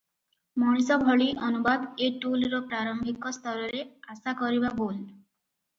ମଣିଷ ଭଳି ଅନୁବାଦ ଏ ଟୁଲର ପ୍ରାରମ୍ଭିକ ସ୍ତରରେ ଆଶାକରିବା ଭୁଲ ।